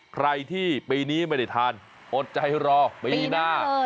ใครที่ปีนี้ไม่ได้ทานอดใจรอปีหน้า